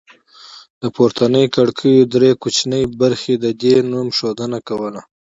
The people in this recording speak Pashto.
د پورتنیو کړکیو درې کوچنۍ برخې د دې نوم ښودنه کوله